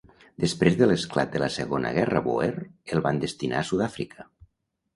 Després de l'esclat de la Segona Guerra Boer, el van destinar a Sud-àfrica.